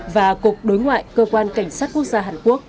và cục đối ngoại cơ quan cảnh sát quốc gia hàn quốc